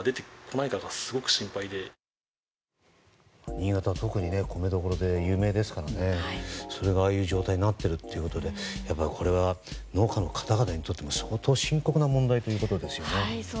新潟は特に米どころで有名ですからそれがああいう状態になっているということでやっぱりこれは農家の方々にとっても相当深刻な問題ということですよね。